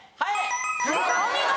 お見事！